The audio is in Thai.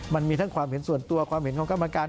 มันมีทั้งความเห็นส่วนตัวความเห็นของกรรมการ